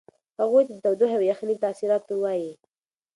هغوی ته د تودوخې او یخنۍ د تاثیراتو وایئ.